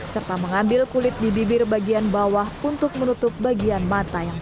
serta mengambil kulit di bibir bagian bawah untuk menutup bagian mata yang